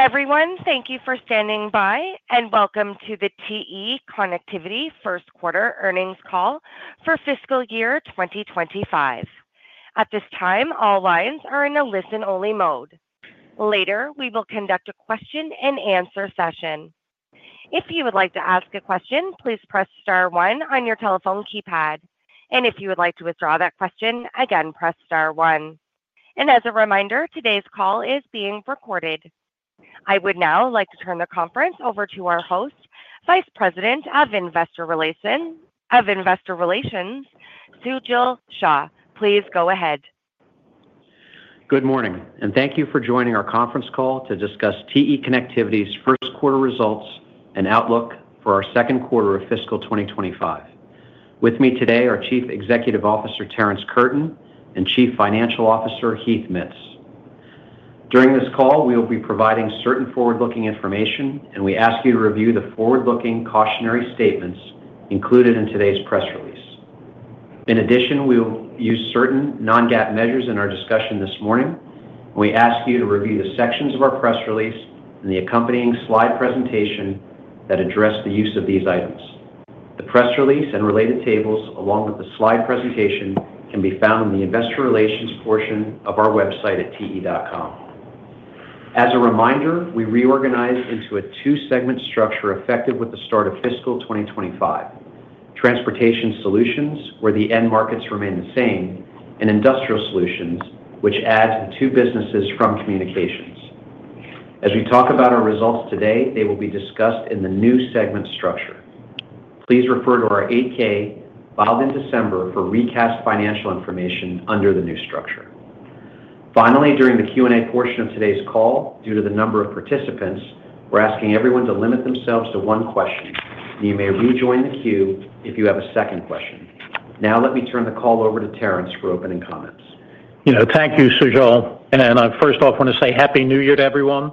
Everyone, thank you for standing by, and welcome to the TE Connectivity first quarter earnings call for fiscal year 2025. At this time, all lines are in a listen-only mode. Later, we will conduct a question-and-answer session. If you would like to ask a question, please press star one on your telephone keypad. And if you would like to withdraw that question, again, press star one. And as a reminder, today's call is being recorded. I would now like to turn the conference over to our host, Vice President of Investor Relations, Sujal Shah. Please go ahead. Good morning, and thank you for joining our conference call to discuss TE Connectivity's first quarter results and outlook for our second quarter of fiscal 2025. With me today are Chief Executive Officer Terrence Curtin and Chief Financial Officer Heath Mitts. During this call, we will be providing certain forward-looking information, and we ask you to review the forward-looking cautionary statements included in today's press release. In addition, we will use certain non-GAAP measures in our discussion this morning, and we ask you to review the sections of our press release and the accompanying slide presentation that address the use of these items. The press release and related tables, along with the slide presentation, can be found in the investor relations portion of our website at te.com. As a reminder, we reorganized into a two-segment structure effective with the start of fiscal 2025: Transportation Solutions, where the end markets remain the same, and Industrial Solutions, which adds the two businesses from communications. As we talk about our results today, they will be discussed in the new segment structure. Please refer to our 8-K filed in December for recast financial information under the new structure. Finally, during the Q&A portion of today's call, due to the number of participants, we're asking everyone to limit themselves to one question, and you may rejoin the queue if you have a second question. Now, let me turn the call over to Terrence for opening comments. Thank you, Sujal. I first off want to say happy New Year to everyone,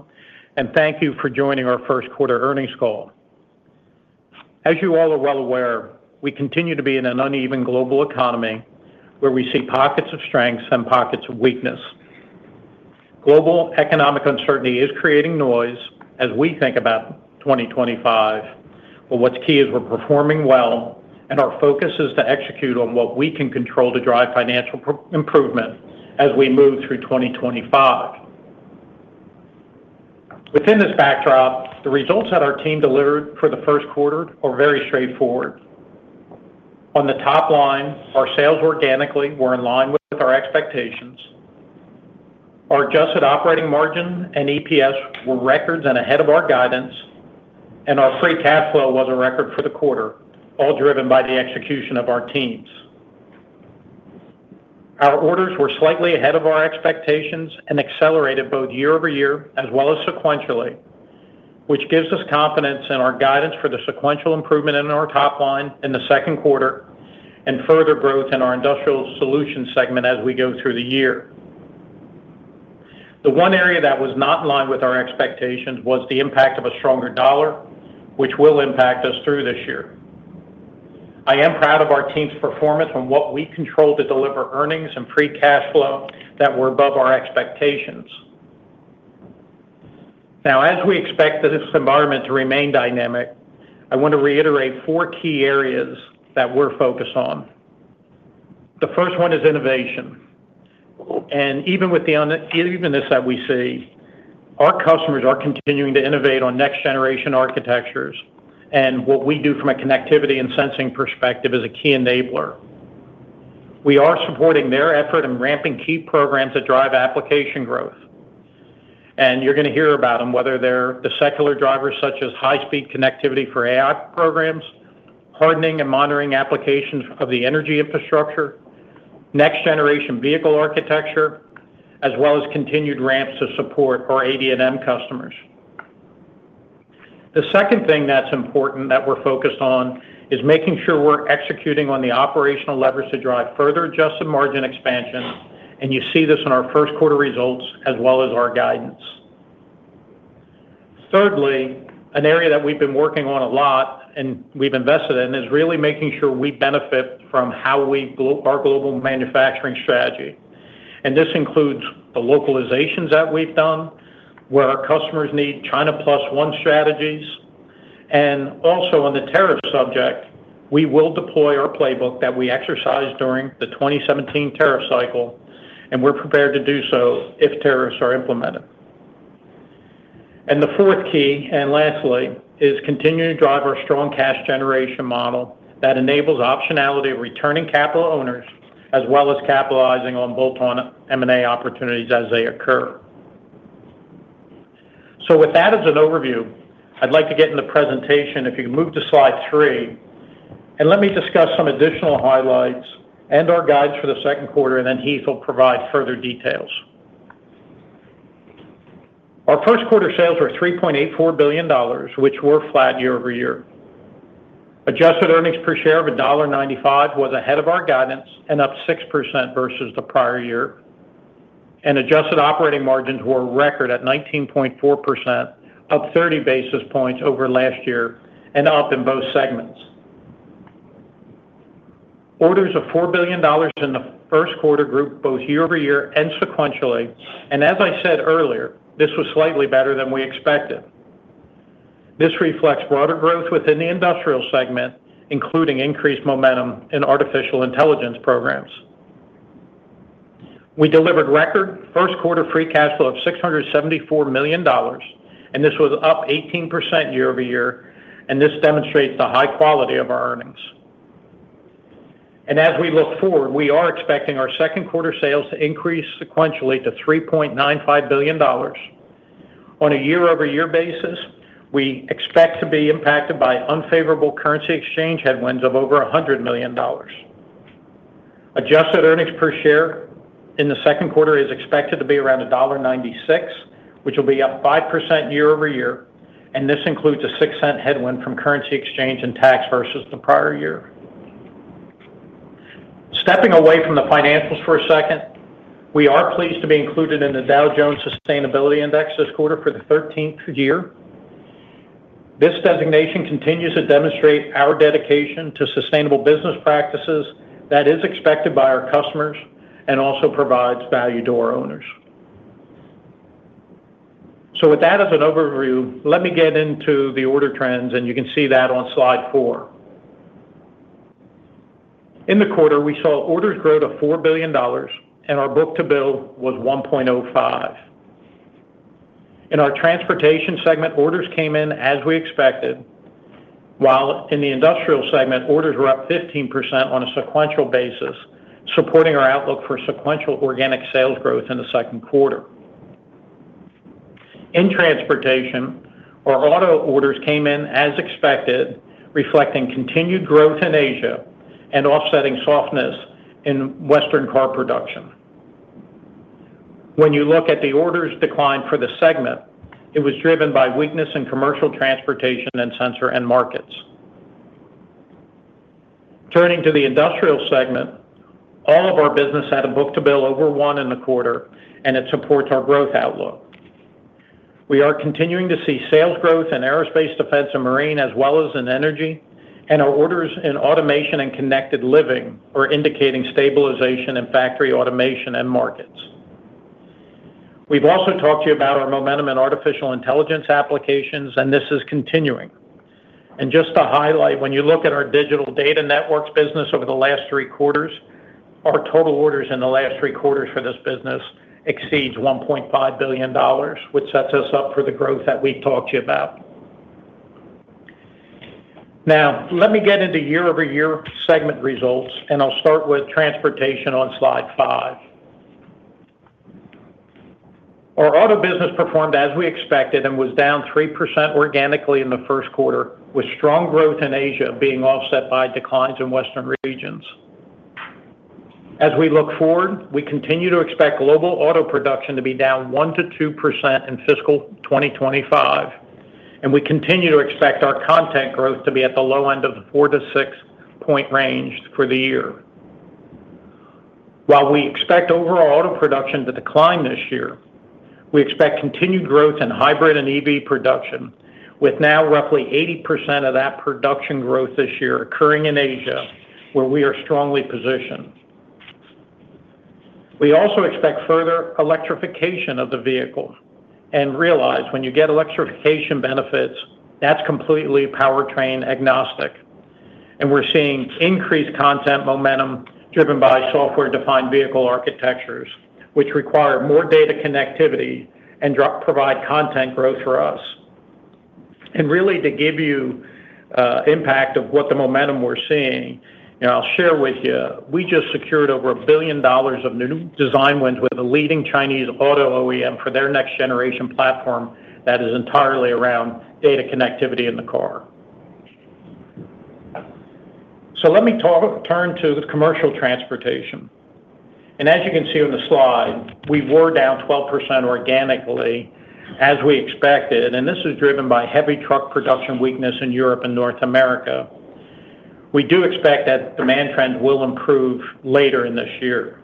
and thank you for joining our first quarter earnings call. As you all are well aware, we continue to be in an uneven global economy where we see pockets of strengths and pockets of weakness. Global economic uncertainty is creating noise as we think about 2025, but what's key is we're performing well, and our focus is to execute on what we can control to drive financial improvement as we move through 2025. Within this backdrop, the results that our team delivered for the first quarter are very straightforward. On the top line, our sales organically were in line with our expectations. Our adjusted operating margin and EPS were records and ahead of our guidance, and our free cash flow was a record for the quarter, all driven by the execution of our teams. Our orders were slightly ahead of our expectations and accelerated both year over year as well as sequentially, which gives us confidence in our guidance for the sequential improvement in our top line in the second quarter and further growth in our Industrial Solutions segment as we go through the year. The one area that was not in line with our expectations was the impact of a stronger dollar, which will impact us through this year. I am proud of our team's performance and what we control to deliver earnings and free cash flow that were above our expectations. Now, as we expect this environment to remain dynamic, I want to reiterate four key areas that we're focused on. The first one is innovation. And even with the unevenness that we see, our customers are continuing to innovate on next-generation architectures, and what we do from a connectivity and sensing perspective is a key enabler. We are supporting their effort in ramping key programs that drive application growth. And you're going to hear about them, whether they're the secular drivers such as high-speed connectivity for AI programs, hardening and monitoring applications of the energy infrastructure, next-generation vehicle architecture, as well as continued ramps to support our AD&M customers. The second thing that's important that we're focused on is making sure we're executing on the operational levers to drive further adjusted margin expansion, and you see this in our first quarter results as well as our guidance. Thirdly, an area that we've been working on a lot and we've invested in is really making sure we benefit from our global manufacturing strategy. And this includes the localizations that we've done, where our customers need China Plus One strategies. And also on the tariff subject, we will deploy our playbook that we exercised during the 2017 tariff cycle, and we're prepared to do so if tariffs are implemented. And the fourth key, and lastly, is continuing to drive our strong cash generation model that enables optionality of returning capital to owners as well as capitalizing on bolt-on M&A opportunities as they occur. So with that as an overview, I'd like to get into the presentation. If you can move to slide three, and let me discuss some additional highlights and our guidance for the second quarter, and then Heath will provide further details. Our first quarter sales were $3.84 billion, which were flat year over year. Adjusted earnings per share of $1.95 was ahead of our guidance and up 6% versus the prior year. And adjusted operating margins were record at 19.4%, up 30 basis points over last year, and up in both segments. Orders of $4 billion in the first quarter grew both year over year and sequentially. And as I said earlier, this was slightly better than we expected. This reflects broader growth within the industrial segment, including increased momentum in artificial intelligence programs. We delivered record first quarter free cash flow of $674 million, and this was up 18% year over year, and this demonstrates the high quality of our earnings. And as we look forward, we are expecting our second quarter sales to increase sequentially to $3.95 billion. On a year-over-year basis, we expect to be impacted by unfavorable currency exchange headwinds of over $100 million. Adjusted earnings per share in the second quarter is expected to be around $1.96, which will be up 5% year over year, and this includes a $0.06 headwind from currency exchange and tax versus the prior year. Stepping away from the financials for a second, we are pleased to be included in the Dow Jones Sustainability Index this quarter for the 13th year. This designation continues to demonstrate our dedication to sustainable business practices that is expected by our customers and also provides value to our owners. So with that as an overview, let me get into the order trends, and you can see that on slide four. In the quarter, we saw orders grow to $4 billion, and our book-to-bill was 1.05. In our transportation segment, orders came in as we expected, while in the industrial segment, orders were up 15% on a sequential basis, supporting our outlook for sequential organic sales growth in the second quarter. In transportation, our auto orders came in as expected, reflecting continued growth in Asia and offsetting softness in Western car production. When you look at the orders decline for the segment, it was driven by weakness in Commercial Transportation and sensor end markets. Turning to the industrial segment, all of our business had a book-to-bill over one in the quarter, and it supports our growth outlook. We are continuing to see sales growth in aerospace, defense, and marine as well as in Energy, and our orders in Automation and Connected Living are indicating stabilization in factory automation end markets. We've also talked to you about our momentum in artificial intelligence applications, and this is continuing, and just to highlight, when you look at our digital data networks business over the last three quarters, our total orders in the last three quarters for this business exceed $1.5 billion, which sets us up for the growth that we've talked to you about. Now, let me get into year-over-year segment results, and I'll start with transportation on slide five. Our auto business performed as we expected and was down 3% organically in the first quarter, with strong growth in Asia being offset by declines in Western regions. As we look forward, we continue to expect global auto production to be down 1%-2% in fiscal 2025, and we continue to expect our content growth to be at the low end of the 4- to 6-point range for the year. While we expect overall auto production to decline this year, we expect continued growth in hybrid and EV production, with now roughly 80% of that production growth this year occurring in Asia, where we are strongly positioned. We also expect further electrification of the vehicle, and realize, when you get electrification benefits, that's completely powertrain agnostic, and we're seeing increased content momentum driven by software-defined vehicle architectures, which require more data connectivity and provide content growth for us, and really, to give you an impact of what the momentum we're seeing, I'll share with you. We just secured over $1 billion of new design wins with a leading Chinese auto OEM for their next-generation platform that is entirely around data connectivity in the car, so let me turn to the Commercial Transportation. As you can see on the slide, we were down 12% organically as we expected, and this is driven by heavy truck production weakness in Europe and North America. We do expect that demand trend will improve later in this year.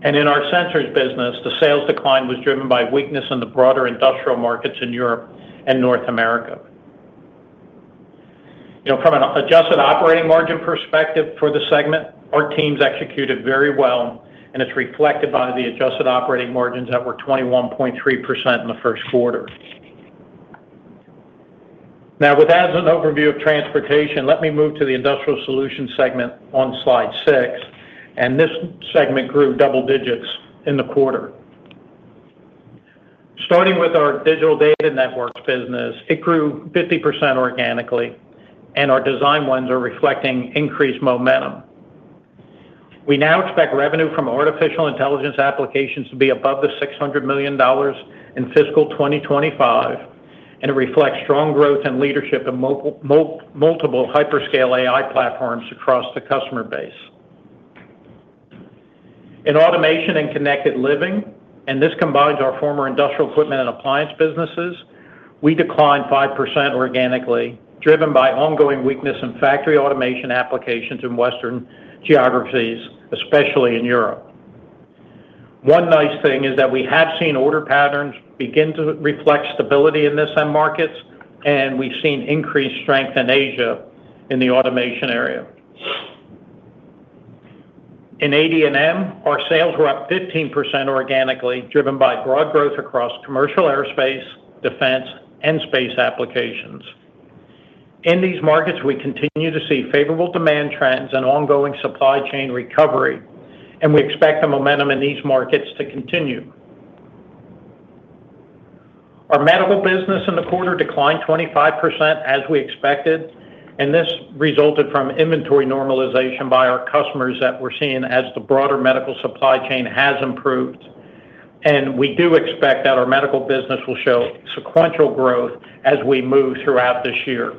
In our Sensors business, the sales decline was driven by weakness in the broader industrial markets in Europe and North America. From an adjusted operating margin perspective for the segment, our teams executed very well, and it's reflected by the adjusted operating margins that were 21.3% in the first quarter. Now, with that as an overview of Transportation, let me move to the Industrial Solutions segment on slide six, and this segment grew double digits in the quarter. Starting with our Digital Data Networks business, it grew 50% organically, and our design wins are reflecting increased momentum. We now expect revenue from artificial intelligence applications to be above the $600 million in fiscal 2025, and it reflects strong growth and leadership in multiple hyperscale AI platforms across the customer base. In Automation and Connected Living, and this combines our former Industrial Equipment and Appliance businesses, we declined 5% organically, driven by ongoing weakness in factory automation applications in Western geographies, especially in Europe. One nice thing is that we have seen order patterns begin to reflect stability in this end market, and we've seen increased strength in Asia in the automation area. In AD&M, our sales were up 15% organically, driven by broad growth across commercial aerospace, defense, and space applications. In these markets, we continue to see favorable demand trends and ongoing supply chain recovery, and we expect the momentum in these markets to continue. Our Medical business in the quarter declined 25% as we expected, and this resulted from inventory normalization by our customers that we're seeing as the broader medical supply chain has improved. And we do expect that our Medical business will show sequential growth as we move throughout this year.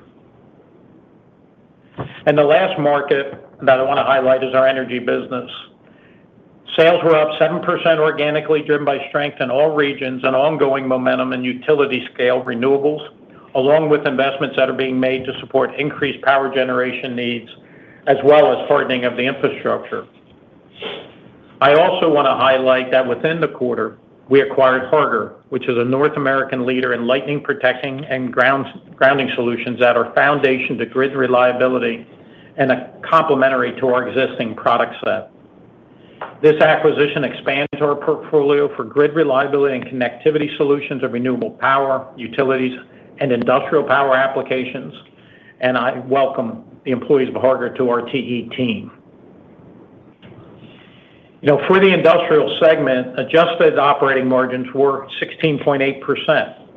And the last market that I want to highlight is our Energy business. Sales were up 7% organically, driven by strength in all regions and ongoing momentum in utility-scale renewables, along with investments that are being made to support increased power generation needs as well as hardening of the infrastructure. I also want to highlight that within the quarter, we acquired Harger, which is a North American leader in lightning protection and grounding solutions that are foundational to grid reliability and complementary to our existing product set. This acquisition expands our portfolio for grid reliability and connectivity solutions of renewable power, utilities, and industrial power applications, and I welcome the employees of Harger to our TE team. For the industrial segment, adjusted operating margins were 16.8%.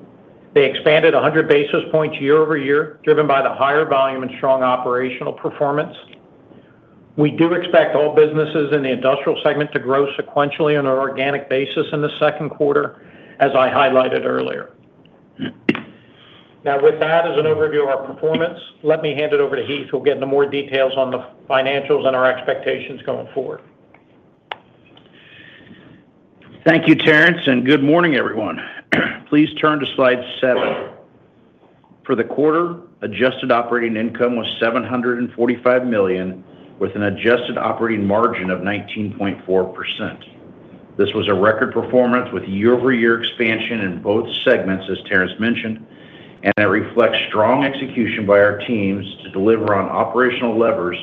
They expanded 100 basis points year over year, driven by the higher volume and strong operational performance. We do expect all businesses in the industrial segment to grow sequentially on an organic basis in the second quarter, as I highlighted earlier. Now, with that as an overview of our performance, let me hand it over to Heath. He'll get into more details on the financials and our expectations going forward. Thank you, Terrence, and good morning, everyone. Please turn to slide seven. For the quarter, adjusted operating income was $745 million, with an adjusted operating margin of 19.4%. This was a record performance with year-over-year expansion in both segments, as Terrence mentioned, and it reflects strong execution by our teams to deliver on operational levers,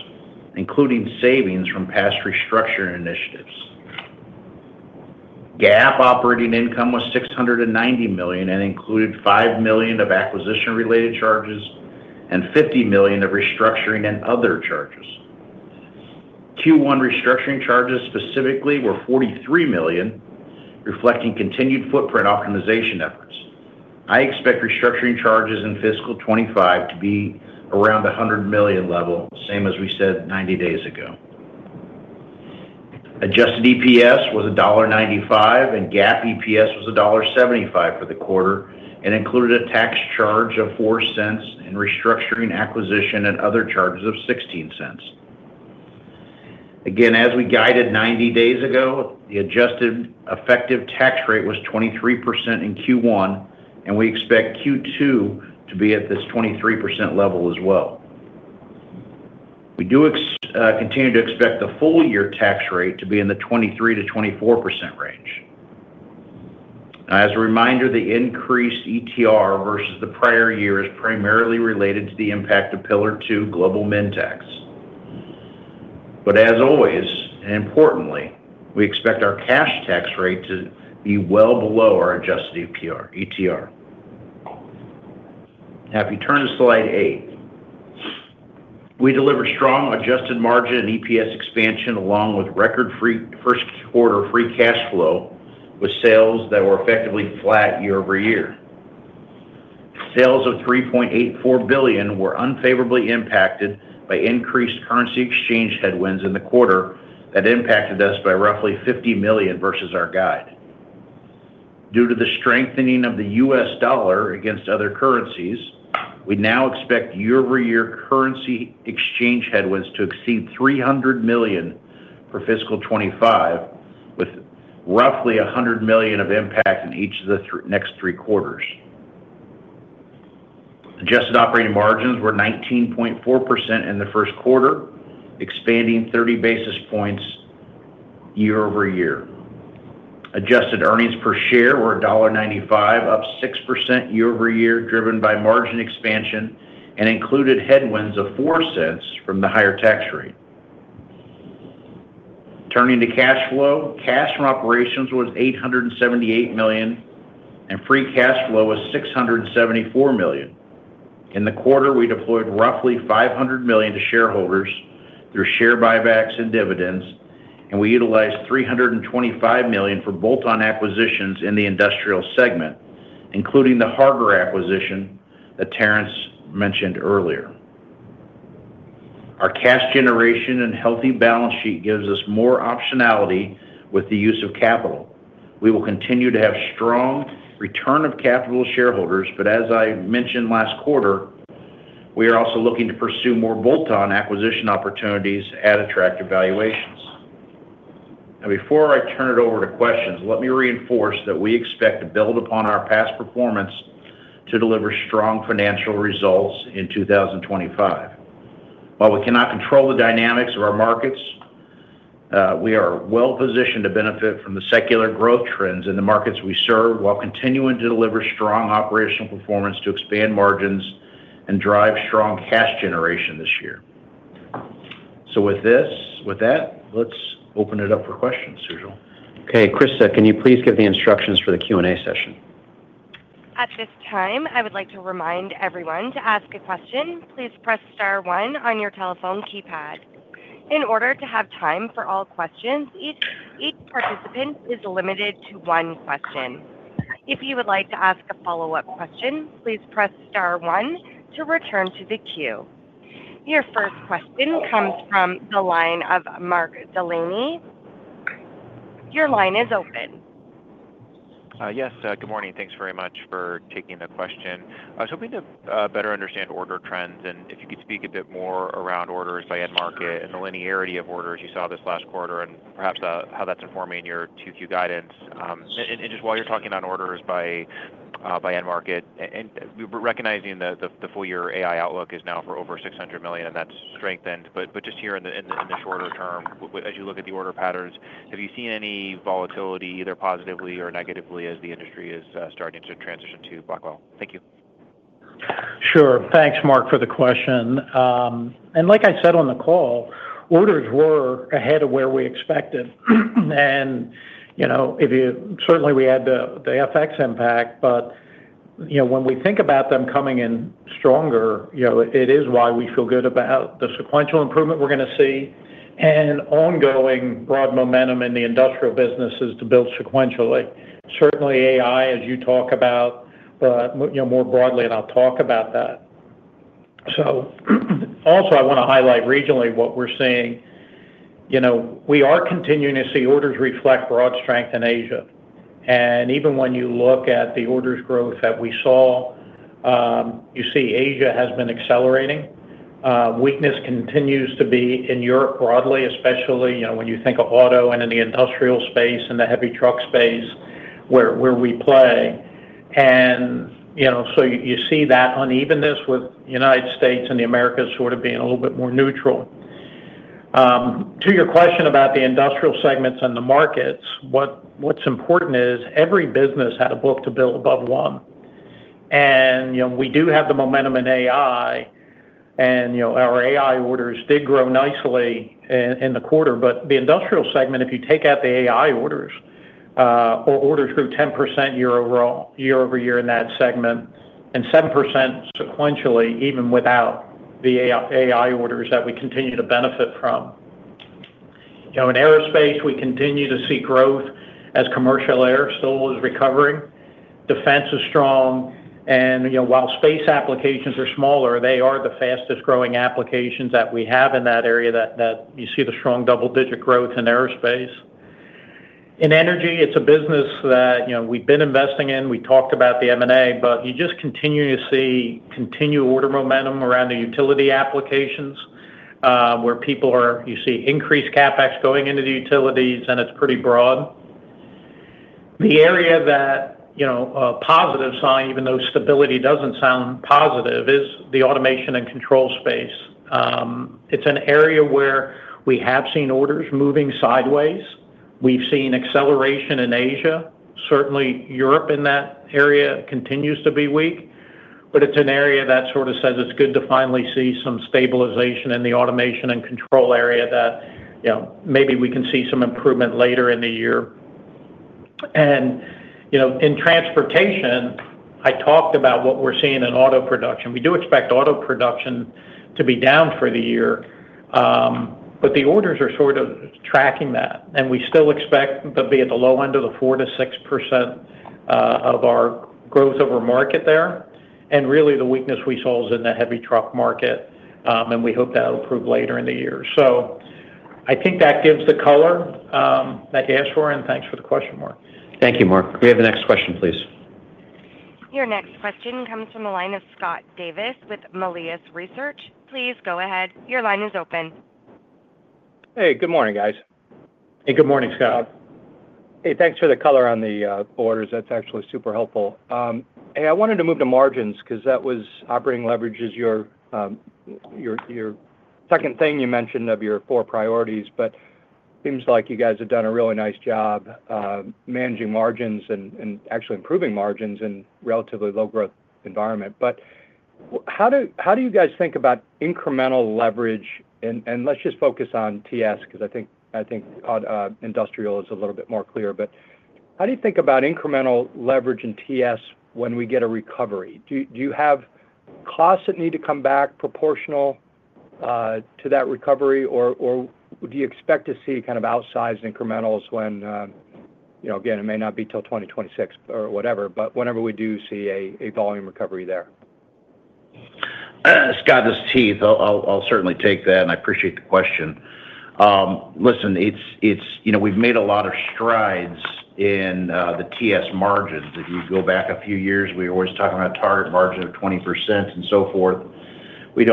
including savings from past restructuring initiatives. GAAP operating income was $690 million and included $5 million of acquisition-related charges and $50 million of restructuring and other charges. Q1 restructuring charges specifically were $43 million, reflecting continued footprint optimization efforts. I expect restructuring charges in fiscal 2025 to be around $100 million level, same as we said 90 days ago. Adjusted EPS was $1.95, and GAAP EPS was $1.75 for the quarter and included a tax charge of $0.04 in restructuring acquisition and other charges of $0.16. Again, as we guided 90 days ago, the adjusted effective tax rate was 23% in Q1, and we expect Q2 to be at this 23% level as well. We do continue to expect the full-year tax rate to be in the 23%-24% range. As a reminder, the increased ETR versus the prior year is primarily related to the impact of Pillar Two global minimum tax. But as always, and importantly, we expect our cash tax rate to be well below our adjusted ETR. Now, if you turn to slide eight, we delivered strong adjusted margin and EPS expansion along with record first-quarter free cash flow with sales that were effectively flat year over year. Sales of $3.84 billion were unfavorably impacted by increased currency exchange headwinds in the quarter that impacted us by roughly $50 million versus our guide. Due to the strengthening of the U.S. dollar against other currencies, we now expect year-over-year currency exchange headwinds to exceed $300 million for fiscal 2025, with roughly $100 million of impact in each of the next three quarters. Adjusted operating margins were 19.4% in the first quarter, expanding 30 basis points year over year. Adjusted earnings per share were $1.95, up 6% year over year, driven by margin expansion and included headwinds of $0.04 from the higher tax rate. Turning to cash flow, cash from operations was $878 million, and free cash flow was $674 million. In the quarter, we deployed roughly $500 million to shareholders through share buybacks and dividends, and we utilized $325 million for bolt-on acquisitions in the industrial segment, including the Harger acquisition that Terrence mentioned earlier. Our cash generation and healthy balance sheet gives us more optionality with the use of capital. We will continue to have strong return of capital shareholders, but as I mentioned last quarter, we are also looking to pursue more bolt-on acquisition opportunities at attractive valuations. And before I turn it over to questions, let me reinforce that we expect to build upon our past performance to deliver strong financial results in 2025. While we cannot control the dynamics of our markets, we are well-positioned to benefit from the secular growth trends in the markets we serve while continuing to deliver strong operational performance to expand margins and drive strong cash generation this year. So with that, let's open it up for questions, Sujal. Okay, Krista, can you please give the instructions for the Q&A session? At this time, I would like to remind everyone to ask a question. Please press star one on your telephone keypad. In order to have time for all questions, each participant is limited to one question. If you would like to ask a follow-up question, please press star one to return to the queue. Your first question comes from the line of Mark Delaney. Your line is open. Yes, good morning. Thanks very much for taking the question. I was hoping to better understand order trends and if you could speak a bit more around orders by end market and the linearity of orders you saw this last quarter and perhaps how that's informing your QoQ guidance, and just while you're talking about orders by end market, recognizing that the full-year AI outlook is now for over $600 million and that's strengthened, but just here in the shorter term, as you look at the order patterns, have you seen any volatility, either positively or negatively, as the industry is starting to transition to Blackwell? Thank you. Sure. Thanks, Mark, for the question, and like I said on the call, orders were ahead of where we expected, and certainly, we had the FX impact, but when we think about them coming in stronger, it is why we feel good about the sequential improvement we're going to see and ongoing broad momentum in the industrial businesses to build sequentially. Certainly, AI, as you talk about, but more broadly, and I'll talk about that, so also, I want to highlight regionally what we're seeing. We are continuing to see orders reflect broad strength in Asia, and even when you look at the orders growth that we saw, you see Asia has been accelerating. Weakness continues to be in Europe broadly, especially when you think of auto and in the industrial space and the heavy truck space where we play. And so you see that unevenness with the United States and the Americas sort of being a little bit more neutral. To your question about the industrial segments and the markets, what is important is every business had a book-to-bill above one. And we do have the momentum in AI, and our AI orders did grow nicely in the quarter, but the industrial segment, if you take out the AI orders, orders grew 10% year over year in that segment and 7% sequentially, even without the AI orders that we continue to benefit from. In aerospace, we continue to see growth as commercial air still is recovering. Defense is strong. And while space applications are smaller, they are the fastest-growing applications that we have in that area that you see the strong double-digit growth in aerospace. In Energy, it is a business that we have been investing in. We talked about the M&A, but you just continue to see continued order momentum around the utility applications where people are. You see increased CapEx going into the utilities, and it's pretty broad. The area that's a positive sign, even though stability doesn't sound positive, is the automation and control space. It's an area where we have seen orders moving sideways. We've seen acceleration in Asia. Certainly, Europe in that area continues to be weak, but it's an area that sort of says it's good to finally see some stabilization in the automation and control area that maybe we can see some improvement later in the year, and in transportation, I talked about what we're seeing in auto production. We do expect auto production to be down for the year, but the orders are sort of tracking that. And we still expect to be at the low end of the 4%-6% of our growth of our market there. And really, the weakness we saw was in the heavy truck market, and we hope that'll improve later in the year. So I think that gives the color that you asked for, and thanks for the question, Mark. Thank you, Mark. We have the next question, please. Your next question comes from the line of Scott Davis with Melius Research. Please go ahead. Your line is open. Hey, good morning, guys. Hey, good morning, Scott. Hey, thanks for the color on the orders. That's actually super helpful. Hey, I wanted to move to margins because that was operating leverage is your second thing you mentioned of your four priorities, but it seems like you guys have done a really nice job managing margins and actually improving margins in a relatively low-growth environment. But how do you guys think about incremental leverage? And let's just focus on TS because I think industrial is a little bit more clear, but how do you think about incremental leverage in TS when we get a recovery? Do you have costs that need to come back proportional to that recovery, or do you expect to see kind of outsized incrementals when, again, it may not be till 2026 or whatever, but whenever we do see a volume recovery there? Scott, it's Terrence. I'll certainly take that, and I appreciate the question. Listen, we've made a lot of strides in the TS margins. If you go back a few years, we were always talking about a target margin of 20% and so forth. We're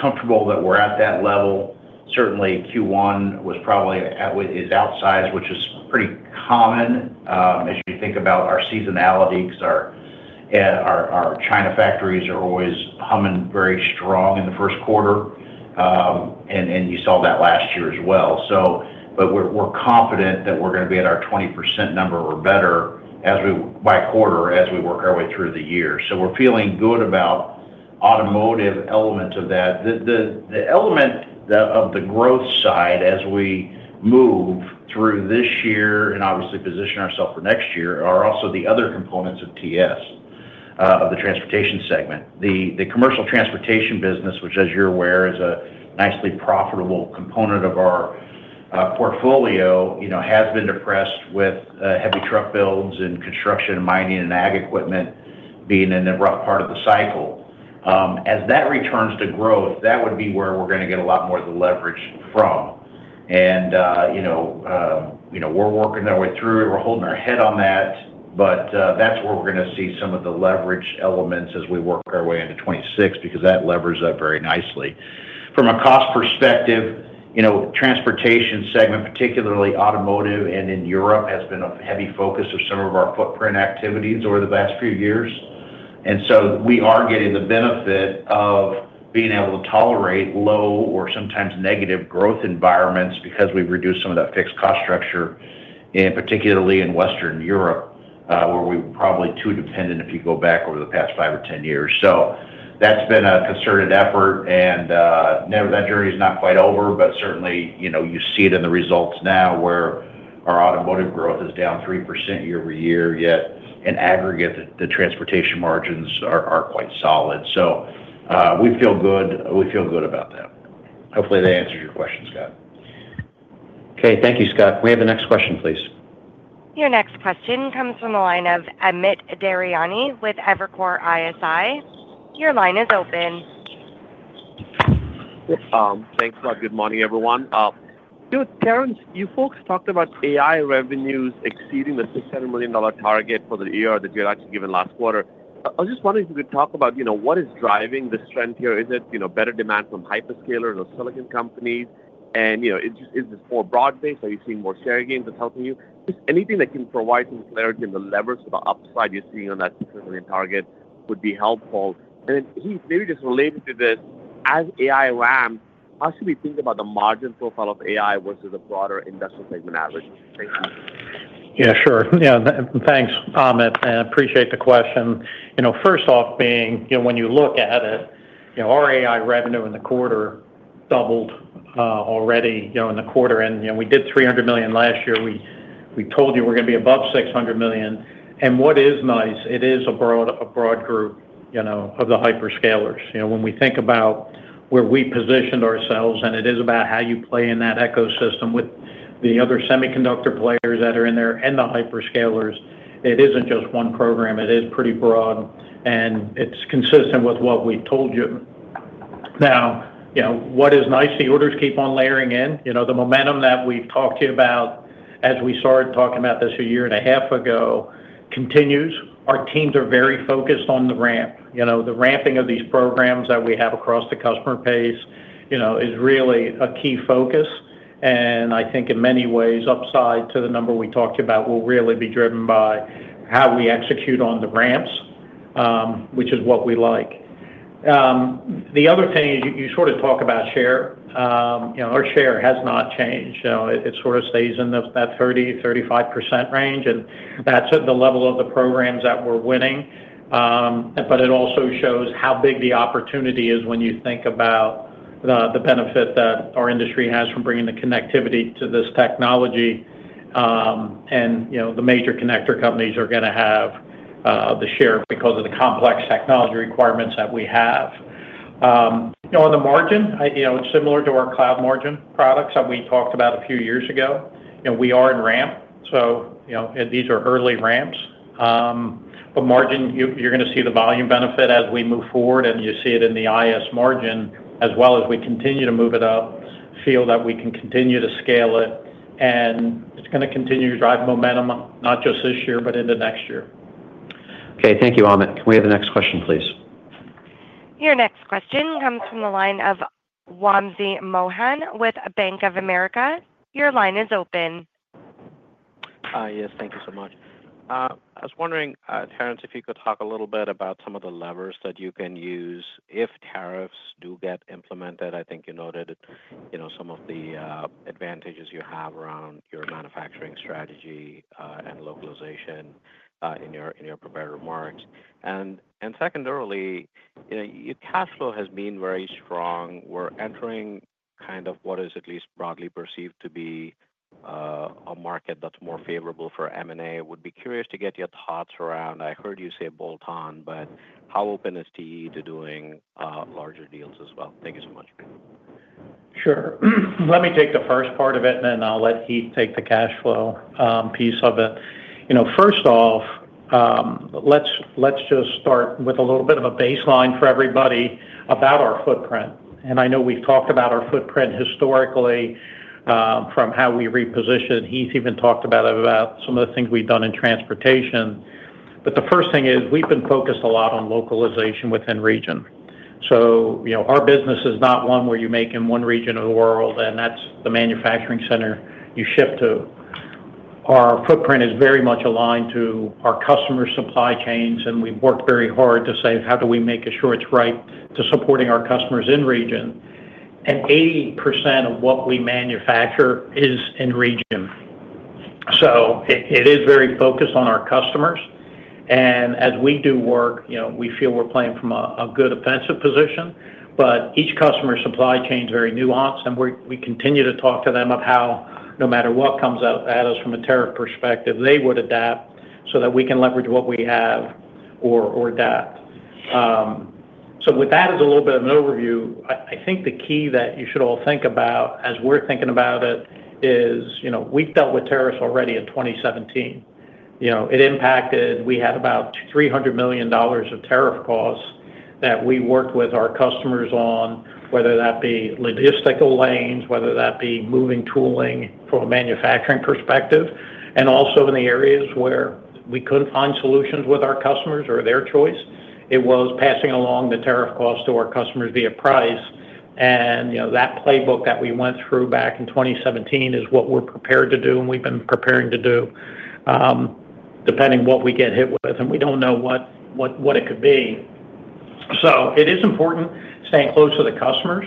comfortable that we're at that level. Certainly, Q1 was probably outsized, which is pretty common as you think about our seasonality because our China factories are always humming very strong in the first quarter, and you saw that last year as well. But we're confident that we're going to be at our 20% number or better by quarter as we work our way through the year, so we're feeling good about automotive elements of that. The element of the growth side as we move through this year and obviously position ourselves for next year are also the other components of TS, of the transportation segment. The Commercial Transportation business, which, as you're aware, is a nicely profitable component of our portfolio, has been depressed with heavy truck builds and construction, mining, and ag equipment being in the rough part of the cycle. As that returns to growth, that would be where we're going to get a lot more of the leverage from. And we're working our way through it. We're holding our head on that, but that's where we're going to see some of the leverage elements as we work our way into 2026 because that levers up very nicely. From a cost perspective, transportation segment, particularly automotive and in Europe, has been a heavy focus of some of our footprint activities over the past few years. And so we are getting the benefit of being able to tolerate low or sometimes negative growth environments because we've reduced some of that fixed cost structure, particularly in Western Europe, where we were probably too dependent if you go back over the past five or 10 years. So that's been a concerted effort, and that journey is not quite over, but certainly, you see it in the results now where our automotive growth is down 3% year over year, yet in aggregate, the transportation margins are quite solid. So we feel good. We feel good about that. Hopefully, that answers your question, Scott. Okay. Thank you, Scott. Can we have the next question, please? Your next question comes from the line of Amit Daryanani with Evercore ISI. Your line is open. Thanks for that. Good morning, everyone. Terrence, you folks talked about AI revenues exceeding the $600 million target for the year that you had actually given last quarter. I was just wondering if you could talk about what is driving this trend here. Is it better demand from hyperscalers or silicon companies? And is this more broad-based? Are you seeing more share gains that's helping you? Just anything that can provide some clarity on the levers to the upside you're seeing on that 600 million target would be helpful. And then maybe just related to this, as AI ramps, how should we think about the margin profile of AI versus a broader industrial segment average? Thank you. Yeah, sure. Yeah. Thanks, Amit. And I appreciate the question. First off, when you look at it, our AI revenue in the quarter doubled already in the quarter. And we did $300 million last year. We told you we're going to be above $600 million. And what is nice, it is a broad group of the hyperscalers. When we think about where we positioned ourselves, and it is about how you play in that ecosystem with the other semiconductor players that are in there and the hyperscalers, it isn't just one program. It is pretty broad, and it's consistent with what we've told you. Now, what is nice, the orders keep on layering in. The momentum that we've talked to you about as we started talking about this a year and a half ago continues. Our teams are very focused on the ramp. The ramping of these programs that we have across the customer base is really a key focus. And I think in many ways, upside to the number we talked about will really be driven by how we execute on the ramps, which is what we like. The other thing is you sort of talk about share. Our share has not changed. It sort of stays in that 30%-35% range, and that's at the level of the programs that we're winning. But it also shows how big the opportunity is when you think about the benefit that our industry has from bringing the connectivity to this technology. And the major connector companies are going to have the share because of the complex technology requirements that we have. On the margin, it's similar to our cloud margin products that we talked about a few years ago. We are in ramp, so these are early ramps. But margin, you're going to see the volume benefit as we move forward, and you see it in the IS margin as well as we continue to move it up, feel that we can continue to scale it. And it's going to continue to drive momentum, not just this year, but into next year. Okay. Thank you, Amit. Can we have the next question, please? Your next question comes from the line of Wamsi Mohan with Bank of America. Your line is open. Yes, thank you so much. I was wondering, Terrence, if you could talk a little bit about some of the levers that you can use if tariffs do get implemented. I think you noted some of the advantages you have around your manufacturing strategy and localization in your prepared remarks. And secondarily, your cash flow has been very strong. We're entering kind of what is at least broadly perceived to be a market that's more favorable for M&A. Would be curious to get your thoughts around? I heard you say bolt-on, but how open is TE to doing larger deals as well? Thank you so much. Sure. Let me take the first part of it, and then I'll let Heath take the cash flow piece of it. First off, let's just start with a little bit of a baseline for everybody about our footprint. And I know we've talked about our footprint historically from how we repositioned. Heath even talked about some of the things we've done in transportation. But the first thing is we've been focused a lot on localization within region. So our business is not one where you make in one region of the world, and that's the manufacturing center you ship to. Our footprint is very much aligned to our customer supply chains, and we've worked very hard to say, "How do we make sure it's right to supporting our customers in region?" And 80% of what we manufacture is in region. So it is very focused on our customers. As we do work, we feel we're playing from a good offensive position, but each customer supply chain is very nuanced, and we continue to talk to them of how, no matter what comes at us from a tariff perspective, they would adapt so that we can leverage what we have or adapt. So with that as a little bit of an overview, I think the key that you should all think about as we're thinking about it is we've dealt with tariffs already in 2017. It impacted. We had about $300 million of tariff costs that we worked with our customers on, whether that be logistical lanes, whether that be moving tooling from a manufacturing perspective. And also in the areas where we couldn't find solutions with our customers or their choice, it was passing along the tariff cost to our customers via price. And that playbook that we went through back in 2017 is what we're prepared to do and we've been preparing to do, depending on what we get hit with, and we don't know what it could be. So it is important staying close to the customers.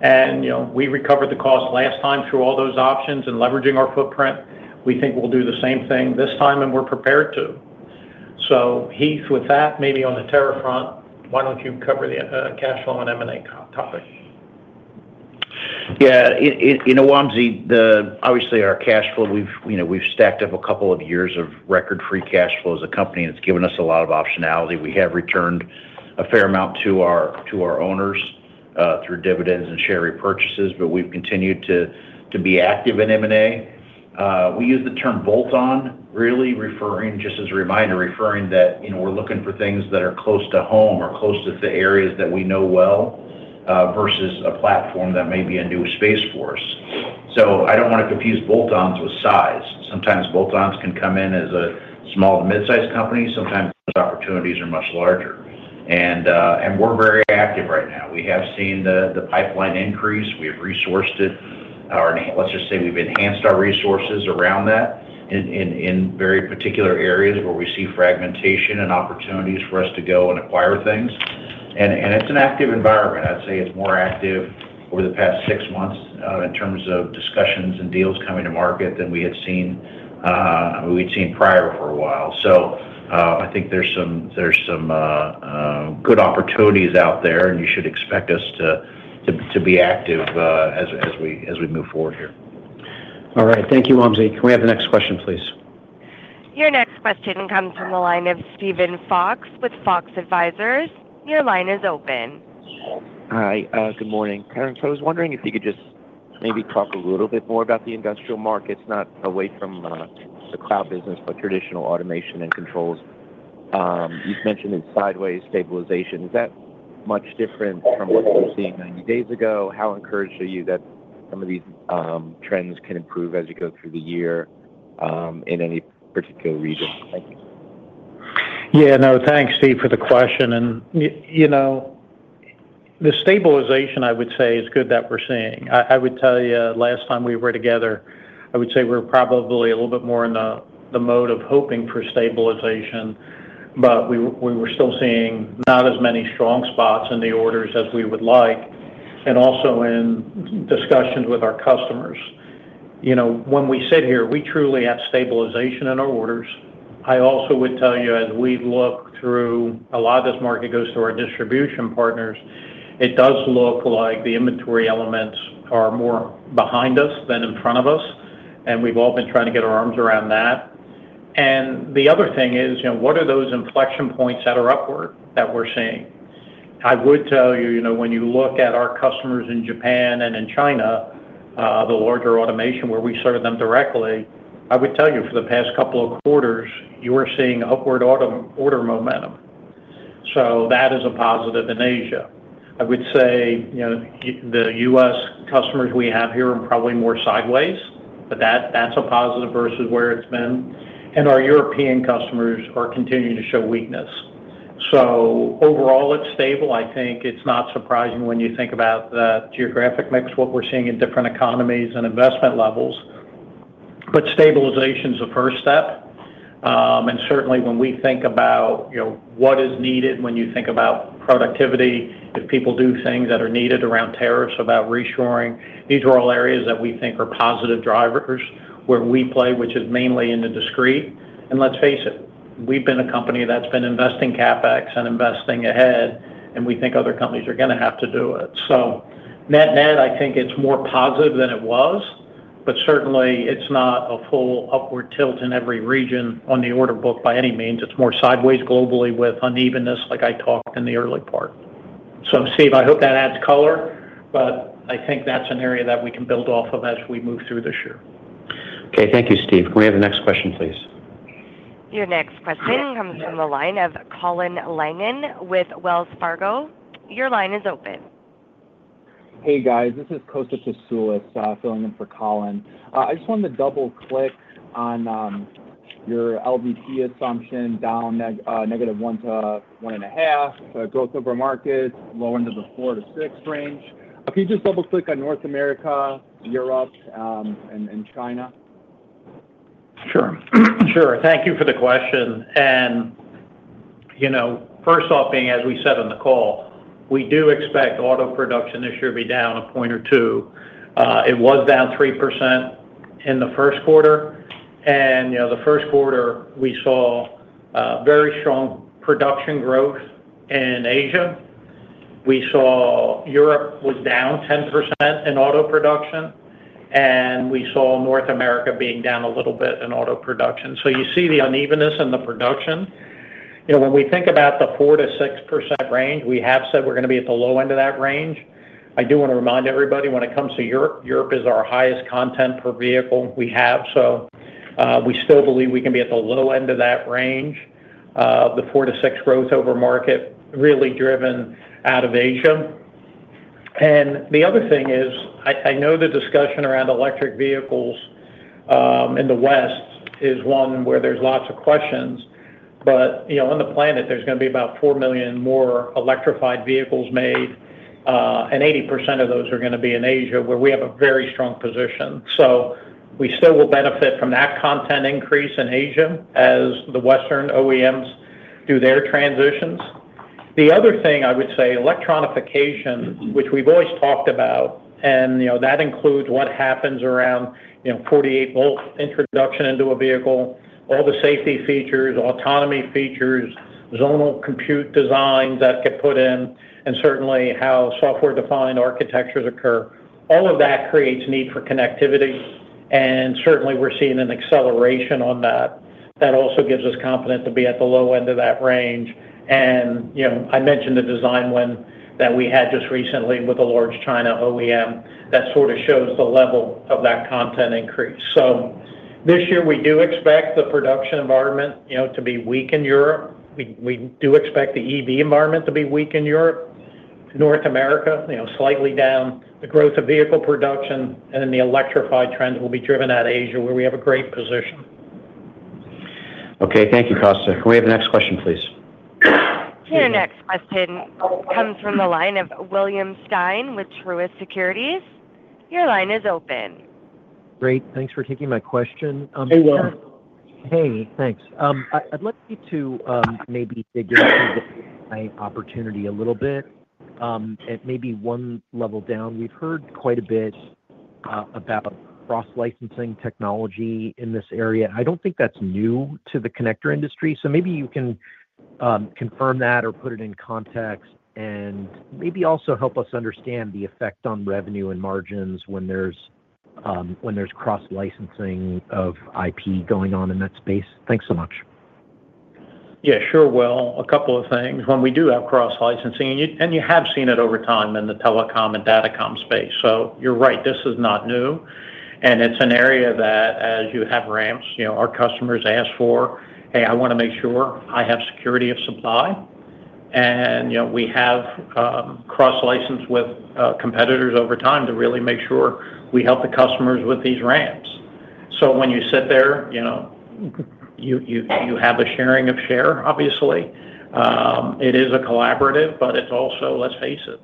And we recovered the cost last time through all those options and leveraging our footprint. We think we'll do the same thing this time, and we're prepared to. So Heath, with that, maybe on the tariff front, why don't you cover the cash flow and M&A topic? Yeah. Wamsi, obviously, our cash flow, we've stacked up a couple of years of record free cash flow as a company, and it's given us a lot of optionality. We have returned a fair amount to our owners through dividends and share repurchases, but we've continued to be active in M&A. We use the term bolt-on, really referring just as a reminder, referring that we're looking for things that are close to home or close to the areas that we know well versus a platform that may be a new space for us. So I don't want to confuse bolt-ons with size. Sometimes bolt-ons can come in as a small to mid-sized company. Sometimes those opportunities are much larger. And we're very active right now. We have seen the pipeline increase. We have resourced it. Let's just say we've enhanced our resources around that in very particular areas where we see fragmentation and opportunities for us to go and acquire things. And it's an active environment. I'd say it's more active over the past six months in terms of discussions and deals coming to market than we had seen prior for a while. So I think there's some good opportunities out there, and you should expect us to be active as we move forward here. All right. Thank you, Wamsi. Can we have the next question, please? Your next question comes from the line of Steven Fox with Fox Advisors. Your line is open. Hi. Good morning. Terrence, I was wondering if you could just maybe talk a little bit more about the industrial markets, not away from the cloud business, but traditional automation and controls. You've mentioned it's sideways stabilization. Is that much different from what you were seeing 90 days ago? How encouraged are you that some of these trends can improve as you go through the year in any particular region? Thank you. Yeah. No, thanks, Steve, for the question. And the stabilization, I would say, is good that we're seeing. I would tell you last time we were together, I would say we were probably a little bit more in the mode of hoping for stabilization, but we were still seeing not as many strong spots in the orders as we would like and also in discussions with our customers. When we sit here, we truly have stabilization in our orders. I also would tell you as we look through, a lot of this market goes through our distribution partners. It does look like the inventory elements are more behind us than in front of us, and we've all been trying to get our arms around that. And the other thing is, what are those inflection points that are upward that we're seeing? I would tell you when you look at our customers in Japan and in China, the larger automation where we serve them directly, I would tell you for the past couple of quarters, you were seeing upward order momentum. So that is a positive in Asia. I would say the US customers we have here are probably more sideways, but that's a positive versus where it's been. And our European customers are continuing to show weakness. So overall, it's stable. I think it's not surprising when you think about the geographic mix, what we're seeing in different economies and investment levels. But stabilization is the first step. And certainly, when we think about what is needed, when you think about productivity, if people do things that are needed around tariffs about reshoring, these are all areas that we think are positive drivers where we play, which is mainly in the discrete. And let's face it, we've been a company that's been investing CapEx and investing ahead, and we think other companies are going to have to do it. So net-net, I think it's more positive than it was, but certainly, it's not a full upward tilt in every region on the order book by any means. It's more sideways globally with unevenness, like I talked in the early part. So Steve, I hope that adds color, but I think that's an area that we can build off of as we move through this year. Okay. Thank you, Steve. Can we have the next question, please? Your next question comes from the line of Colin Langan with Wells Fargo. Your line is open. Hey, guys. This is Kosta Tasoulis filling in for Colin. I just wanted to double-click on your LVP assumption, down -1% to 1.5%, growth over market, lower into the 4%-6% range. Can you just double-click on North America, Europe, and China? Sure. Sure. Thank you for the question. And first off, being as we said on the call, we do expect auto production this year to be down a point or two. It was down 3% in the first quarter. And the first quarter, we saw very strong production growth in Asia. We saw Europe was down 10% in auto production, and we saw North America being down a little bit in auto production. So you see the unevenness in the production. When we think about the 4%-6% range, we have said we're going to be at the low end of that range. I do want to remind everybody when it comes to Europe, Europe is our highest content per vehicle we have. So we still believe we can be at the low end of that range. The four-to-six growth over market really driven out of Asia. And the other thing is I know the discussion around electric vehicles in the West is one where there's lots of questions, but on the planet, there's going to be about four million more electrified vehicles made, and 80% of those are going to be in Asia where we have a very strong position. So we still will benefit from that content increase in Asia as the Western OEMs do their transitions. The other thing I would say, electronification, which we've always talked about, and that includes what happens around 48-volt introduction into a vehicle, all the safety features, autonomy features, zonal compute designs that get put in, and certainly how software-defined architectures occur. All of that creates need for connectivity. And certainly, we're seeing an acceleration on that. That also gives us confidence to be at the low end of that range. And I mentioned the design win that we had just recently with a large China OEM. That sort of shows the level of that content increase. So this year, we do expect the production environment to be weak in Europe. We do expect the EV environment to be weak in Europe. North America, slightly down the growth of vehicle production, and then the electrified trend will be driven out of Asia where we have a great position. Okay. Thank you, Krista. Can we have the next question, please? Your next question comes from the line of William Stein with Truist Securities. Your line is open. Great. Thanks for taking my question. Hey, Will. Hey. Thanks. I'd like to maybe dig into AI opportunity a little bit at maybe one level down. We've heard quite a bit about cross-licensing technology in this area. I don't think that's new to the connector industry. So maybe you can confirm that or put it in context and maybe also help us understand the effect on revenue and margins when there's cross-licensing of IP going on in that space. Thanks so much. Yeah. Sure, Will. A couple of things. When we do have cross-licensing, and you have seen it over time in the telecom and datacom space. So you're right. This is not new. And it's an area that, as you have ramps, our customers ask for, "Hey, I want to make sure I have security of supply." And we have cross-licensed with competitors over time to really make sure we help the customers with these ramps. So when you sit there, you have a sharing of share, obviously. It is a collaborative, but it's also, let's face it,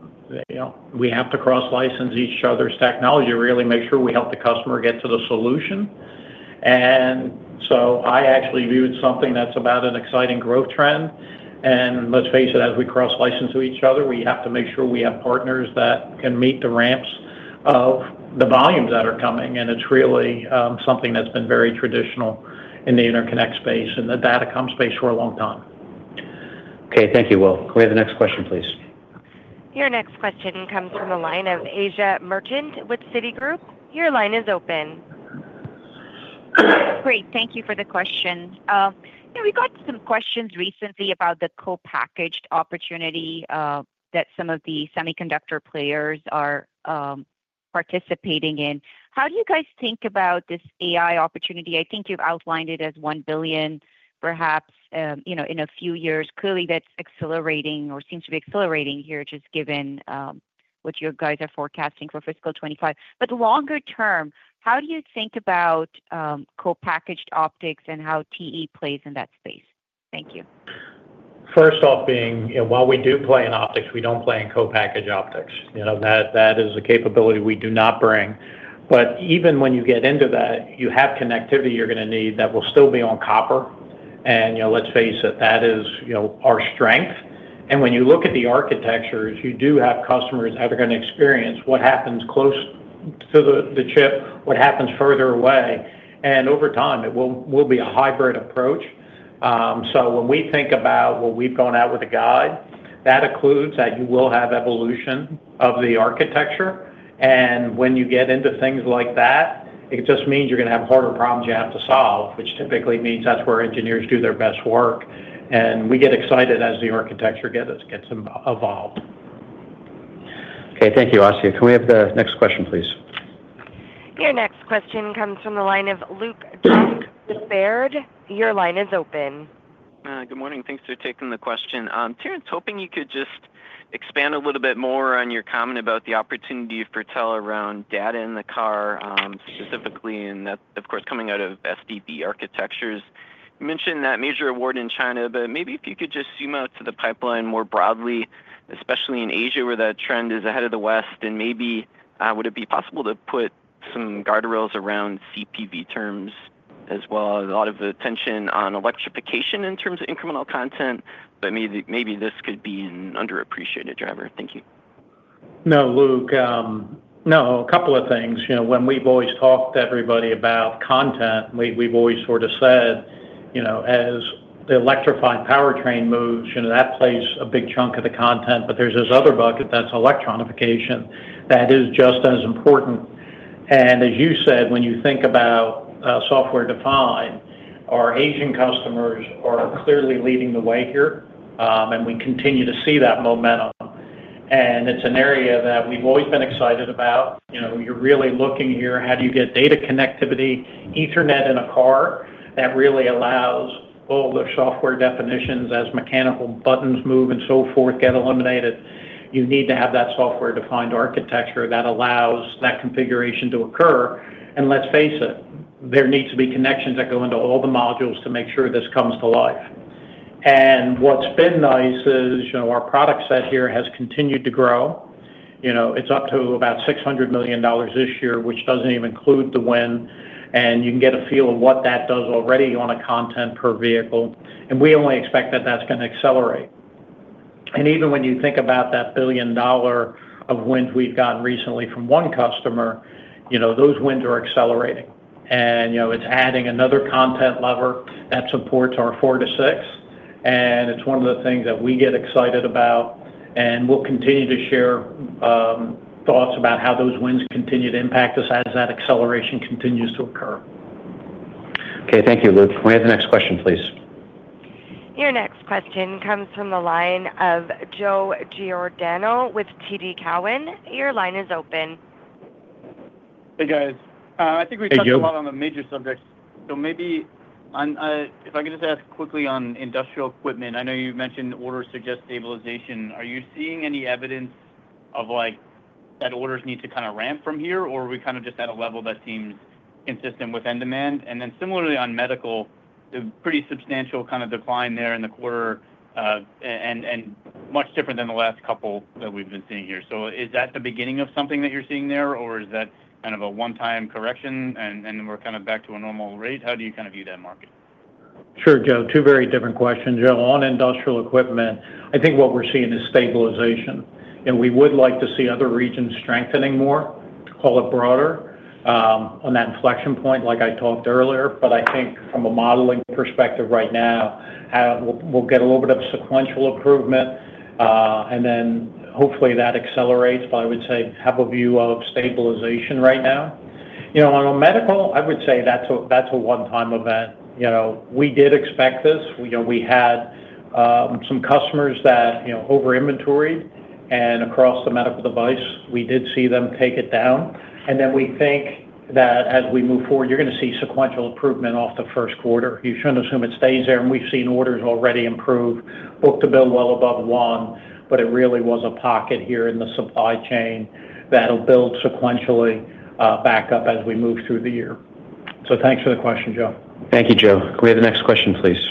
we have to cross-license each other's technology to really make sure we help the customer get to the solution. And so I actually view it as something that's about an exciting growth trend. Let's face it, as we cross-license to each other, we have to make sure we have partners that can meet the ramps of the volumes that are coming. It's really something that's been very traditional in the interconnect space and the datacom space for a long time. Okay. Thank you, Will. Can we have the next question, please? Your next question comes from the line of Asiya Merchant with Citigroup. Your line is open. Great. Thank you for the question. We got some questions recently about the co-packaged opportunity that some of the semiconductor players are participating in. How do you guys think about this AI opportunity? I think you've outlined it as $1 billion, perhaps in a few years. Clearly, that's accelerating or seems to be accelerating here just given what you guys are forecasting for fiscal 25. But longer term, how do you think about co-packaged optics and how TE plays in that space? Thank you. First off, even while we do play in optics, we don't play in co-packaged optics. That is a capability we do not bring. But even when you get into that, you have connectivity you're going to need that will still be on copper. And let's face it, that is our strength. When you look at the architectures, you do have customers evaluating what happens close to the chip, what happens further away. Over time, it will be a hybrid approach. So when we think about what we've gone out with as guidance, that includes that you will have evolution of the architecture. When you get into things like that, it just means you're going to have harder problems you have to solve, which typically means that's where engineers do their best work. We get excited as the architecture gets evolved. Okay. Thank you, Asiya. Can we have the next question, please? Your next question comes from the line of Luke Junk of Baird. Your line is open. Good morning. Thanks for taking the question. Terrence, hoping you could just expand a little bit more on your comment about the opportunity for TE around data in the car specifically, and that, of course, coming out of SDV architectures. You mentioned that major award in China, but maybe if you could just zoom out to the pipeline more broadly, especially in Asia where that trend is ahead of the West, and maybe would it be possible to put some guardrails around CPV terms as well? A lot of attention on electrification in terms of incremental content, but maybe this could be an underappreciated driver. Thank you. No, Luke. No, a couple of things. When we've always talked to everybody about content, we've always sort of said as the electrified powertrain moves, that plays a big chunk of the content, but there's this other bucket that's electronification that is just as important. And as you said, when you think about software-defined, our Asian customers are clearly leading the way here, and we continue to see that momentum. And it's an area that we've always been excited about. You're really looking here, how do you get data connectivity, Ethernet in a car that really allows all the software definitions as mechanical buttons move and so forth get eliminated? You need to have that software-defined architecture that allows that configuration to occur. And let's face it, there needs to be connections that go into all the modules to make sure this comes to life. And what's been nice is our product set here has continued to grow. It's up to about $600 million this year, which doesn't even include the win. And you can get a feel of what that does already on a content per vehicle. And we only expect that that's going to accelerate. And even when you think about that billion-dollar win we've gotten recently from one customer, those wins are accelerating. And it's adding another content lever that supports our four to six. And it's one of the things that we get excited about. And we'll continue to share thoughts about how those wins continue to impact us as that acceleration continues to occur. Okay. Thank you, Luke. Can we have the next question, please? Your next question comes from the line of Joe Giordano with TD Cowen. Your line is open. Hey, guys. I think we talked a lot on the major subjects. So maybe if I can just ask quickly on Industrial Equipment, I know you mentioned orders suggest stabilization. Are you seeing any evidence of that orders need to kind of ramp from here, or are we kind of just at a level that seems consistent with end demand? And then similarly on Medical, a pretty substantial kind of decline there in the quarter and much different than the last couple that we've been seeing here. So is that the beginning of something that you're seeing there, or is that kind of a one-time correction and we're kind of back to a normal rate? How do you kind of view that market? Sure, Joe. Two very different questions. On Industrial Equipment, I think what we're seeing is stabilization. And we would like to see other regions strengthening more, call it broader, on that inflection point like I talked earlier. But I think from a modeling perspective right now, we'll get a little bit of sequential improvement, and then hopefully that accelerates. But I would say have a view of stabilization right now. On Medical, I would say that's a one-time event. We did expect this. We had some customers that over-inventoried. And across the Medical device, we did see them take it down. And then we think that as we move forward, you're going to see sequential improvement off the first quarter. You shouldn't assume it stays there. We've seen orders already improve, book-to-bill well above one, but it really was a pocket here in the supply chain that'll build sequentially back up as we move through the year. Thanks for the question, Joe. Thank you, Joe. Can we have the next question, please?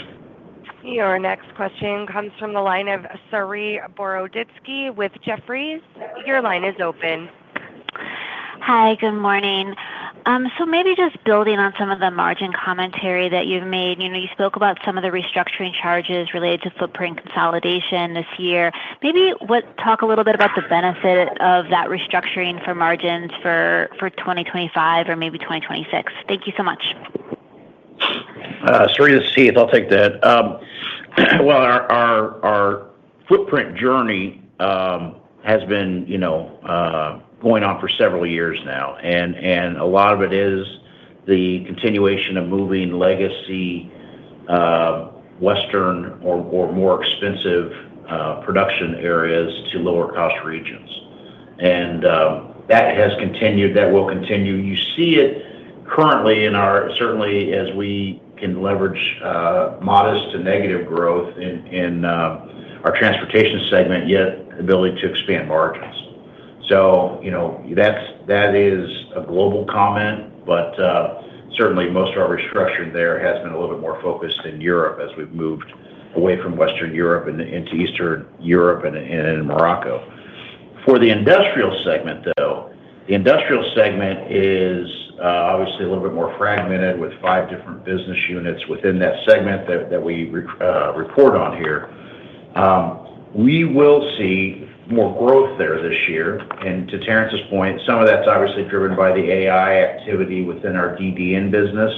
Your next question comes from the line of Saree Boroditsky with Jefferies. Your line is open. Hi, good morning. So maybe just building on some of the margin commentary that you've made. You spoke about some of the restructuring charges related to footprint consolidation this year. Maybe talk a little bit about the benefit of that restructuring for margins for 2025 or maybe 2026? Thank you so much. Saree Boroditsky, I'll take that. Well, our footprint journey has been going on for several years now. And a lot of it is the continuation of moving legacy Western or more expensive production areas to lower-cost regions. And that has continued. That will continue. You see it currently in ours, certainly as we can leverage modest to negative growth in our transportation segment, yet ability to expand margins. So that is a global comment, but certainly most of our restructuring there has been a little bit more focused in Europe as we've moved away from Western Europe into Eastern Europe and in Morocco. For the industrial segment, though, the industrial segment is obviously a little bit more fragmented with five different business units within that segment that we report on here. We will see more growth there this year. And to Terrence's point, some of that's obviously driven by the AI activity within our D&D business,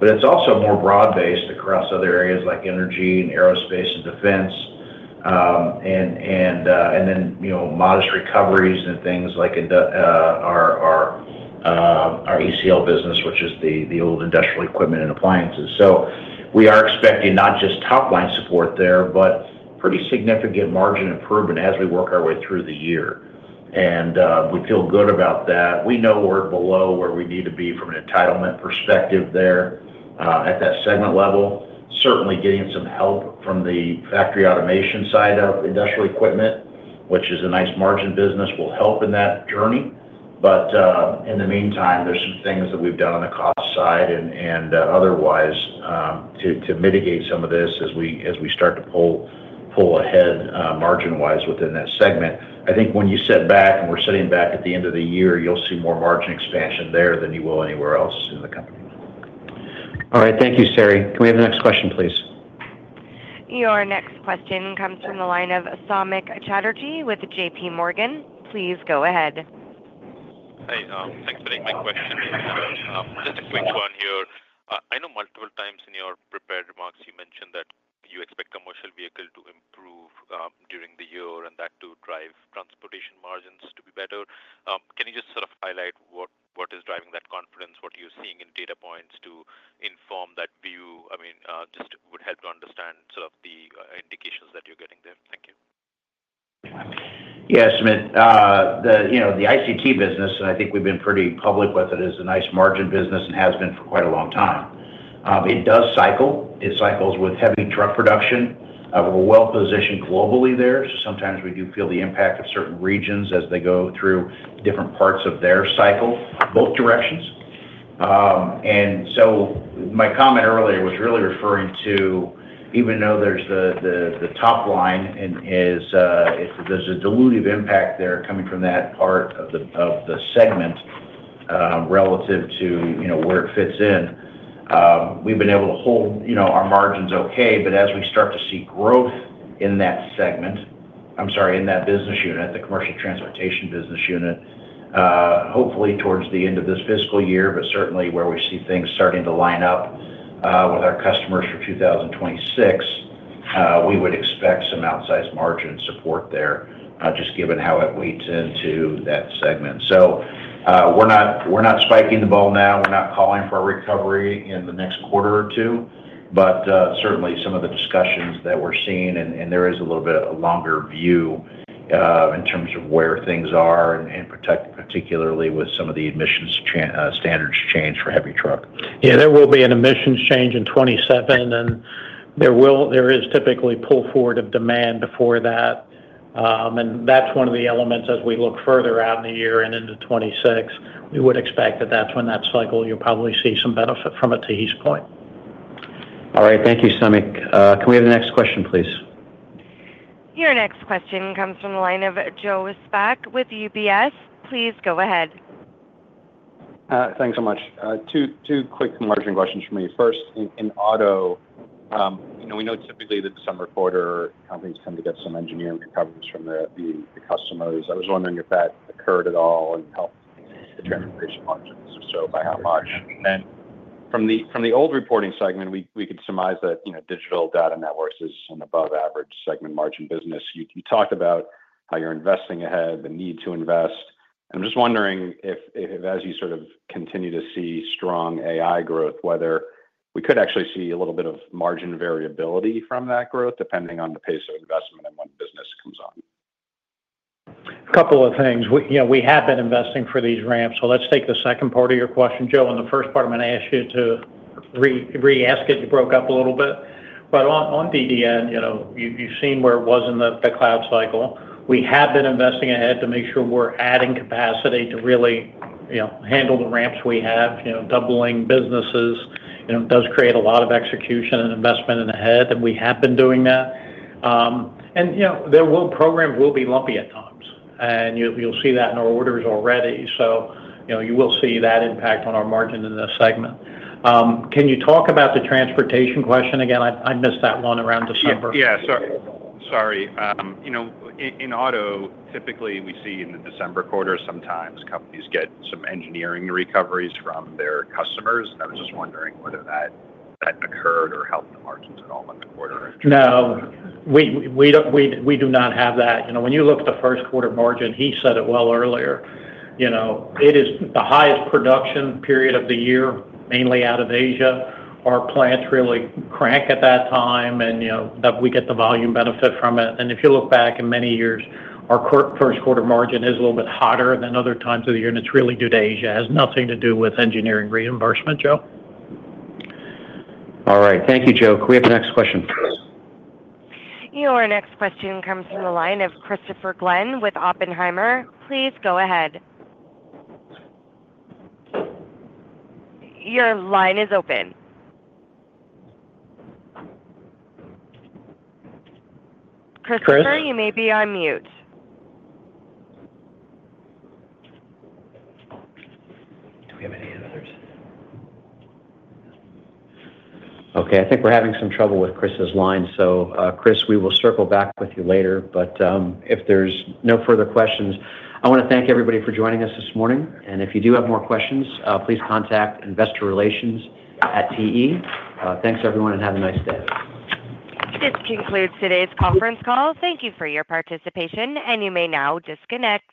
but it's also more broad-based across other areas like Energy and Aerospace and Defense. And then modest recoveries in things like our ACL business, which is the old Industrial Equipment and Appliances. So we are expecting not just top-line support there, but pretty significant margin improvement as we work our way through the year. And we feel good about that. We know we're below where we need to be from an entitlement perspective there at that segment level. Certainly getting some help from the factory automation side of Industrial Equipment, which is a nice margin business, will help in that journey. But in the meantime, there's some things that we've done on the cost side and otherwise to mitigate some of this as we start to pull ahead margin-wise within that segment. I think when you sit back and we're sitting back at the end of the year, you'll see more margin expansion there than you will anywhere else in the company. All right. Thank you, Saree. Can we have the next question, please? Your next question comes from the line of Samik Chatterjee with J.P. Morgan. Please go ahead. Hi. Thanks for taking my question. Just a quick one here. I know multiple times in your prepared remarks, you mentioned that you expect commercial vehicle to improve during the year and that to drive transportation margins to be better. Can you just sort of highlight what is driving that confidence, what you're seeing in data points to inform that view? I mean, just would help to understand sort of the indications that you're getting there. Thank you. Yes, Mitts. The ICT business, and I think we've been pretty public with it, is a nice margin business and has been for quite a long time. It does cycle. It cycles with heavy truck production. We're well-positioned globally there. So sometimes we do feel the impact of certain regions as they go through different parts of their cycle, both directions. And so my comment earlier was really referring to even though there's the top line and there's a dilutive impact there coming from that part of the segment relative to where it fits in, we've been able to hold our margins okay. But as we start to see growth in that segment, I'm sorry, in that business unit, the Commercial Transportation business unit, hopefully towards the end of this fiscal year, but certainly where we see things starting to line up with our customers for 2026, we would expect some outsized margin support there just given how it weighs into that segment. So we're not spiking the ball now. We're not calling for a recovery in the next quarter or two. But certainly some of the discussions that we're seeing, and there is a little bit of a longer view in terms of where things are and particularly with some of the emissions standards change for heavy truck. Yeah, there will be an emissions change in 2027, and there is typically pull forward of demand before that. And that's one of the elements as we look further out in the year and into 2026. We would expect that that's when that cycle, you'll probably see some benefit from it to his point. All right. Thank you, Samik. Can we have the next question, please? Your next question comes from the line of Joseph Spak with UBS. Please go ahead. Thanks so much. Two quick margin questions for me. First, in auto, we know typically that some supplier companies tend to get some engineering recoveries from the customers. I was wondering if that occurred at all and helped the transportation margins or so by how much. And from the old reporting segment, we could surmise that Industrial Data Networks is an above-average segment margin business. You talked about how you're investing ahead, the need to invest. And I'm just wondering if, as you sort of continue to see strong AI growth, whether we could actually see a little bit of margin variability from that growth depending on the pace of investment and when business comes on. A couple of things. We have been investing for these ramps. So let's take the second part of your question, Joe. And the first part, I'm going to ask you to re-ask it. You broke up a little bit. But on D&D, you've seen where it was in the cloud cycle. We have been investing ahead to make sure we're adding capacity to really handle the ramps we have, doubling businesses. It does create a lot of execution and investment in ahead, and we have been doing that. And programs will be lumpy at times. And you'll see that in our orders already. So you will see that impact on our margin in this segment. Can you talk about the transportation question again? I missed that one around December. Yeah, sorry. In auto, typically we see in the December quarter, sometimes companies get some engineering recoveries from their customers. And I was just wondering whether that occurred or helped the margins at all in the quarter? No. We do not have that. When you look at the first quarter margin, he said it well earlier. It is the highest production period of the year, mainly out of Asia. Our plants really crank at that time, and we get the volume benefit from it. And if you look back in many years, our first quarter margin is a little bit hotter than other times of the year, and it's really due to Asia. It has nothing to do with engineering reimbursement, Joe. All right. Thank you, Joe. Can we have the next question? Your next question comes from the line of Christopher Glynn with Oppenheimer. Please go ahead. Your line is open. Christopher, you may be on mute. Do we have any others? Okay. I think we're having some trouble with Chris's line. So, Chris, we will circle back with you later. But if there's no further questions, I want to thank everybody for joining us this morning. And if you do have more questions, please contact investorrelations@te. Thanks, everyone, and have a nice day. This concludes today's conference call. Thank you for your participation, and you may now disconnect.